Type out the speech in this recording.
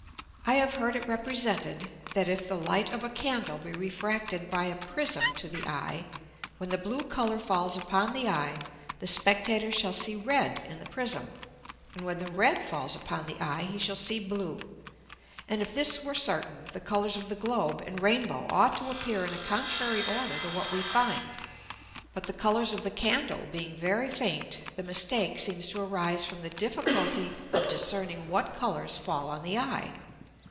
I have heard it represented, that if the Light of a Candle be refracted by a Prism to the Eye; when the blue Colour falls upon the Eye, the Spectator shall see red in the Prism, and when the red falls upon the Eye he shall see blue; and if this were certain, the Colours of the Globe and Rain bow ought to appear in a contrary order to what we find. But the Colours of the Candle being very faint, the mistake seems to arise from the difficulty of discerning what Colours fall on the Eye.